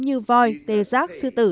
như voi tê giác sư tử